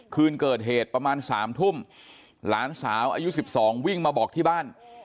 คืนเกิดเหตุประมาณ๓ทุ่มหลานสาวอายุ๑๒วิ่งมาบอกที่บ้าน